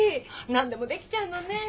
何でもできちゃうのねえ。